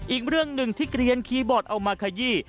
อีกเรื่องหนึ่งที่เกลียนคีย์บอร์ดเอามาขยี้